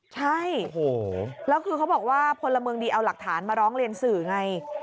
ใช่แล้วคือเขาบอกว่าพลเมืองดีเอาหลักฐานมาร้องเรียนสื่อไง